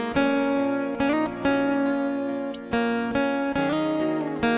มคแล้ว